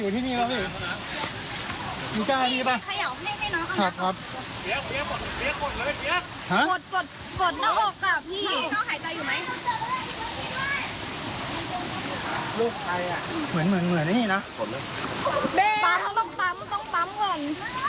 ต้องปั๊มก่อน